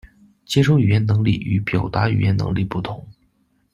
接收语言能力与表达语言能力不同。